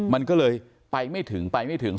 มันก็เลยไปไม่ถึงไปไม่ถึง